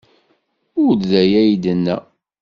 Ur d aya ay d-yenna.